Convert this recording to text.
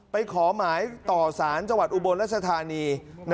ไปขอหมายต่อสารจังหวัดอุบลรัชธานี